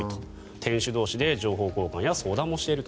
店主同士で情報交換や相談もしていると。